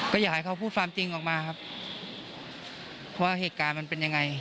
ก็อยากให้เขาพูดความจริงออกมาครับว่าเหตุการณ์มันเป็นยังไง